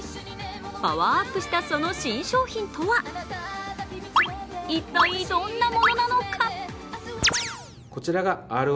パワーアップした、その新商品とは、一体どんなものなのか？